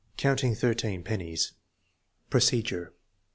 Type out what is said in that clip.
Counting thirteen pennies Procedure.